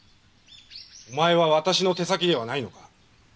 お前は私の手先ではないのか？